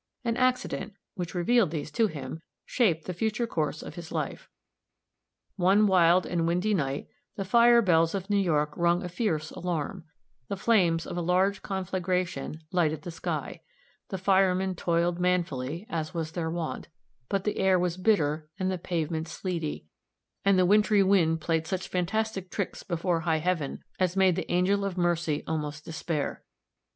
An accident, which revealed these to him, shaped the future course of his life. One wild and windy night the fire bells of New York rung a fierce alarm; the flames of a large conflagration lighted the sky; the firemen toiled manfully, as was their wont, but the air was bitter and the pavements sleety, and the wintry wind "played such fantastic tricks before high heaven" as made the angel of mercy almost despair.